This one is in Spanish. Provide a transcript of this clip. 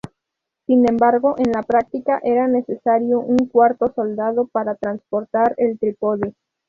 Sin embargo, en la práctica era necesario un cuarto soldado para transportar el trípode.